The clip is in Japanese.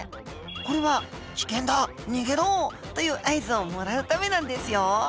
これは「危険だ！逃げろ」という合図をもらうためなんですよ。